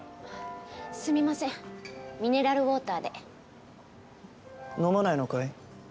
すみませんミネラルウオーターで飲まないのかい？